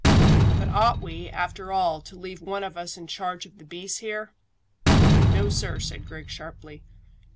"But ought we, after all, to leave one of us in charge of the beasts here?" "No, sir," said Griggs sharply.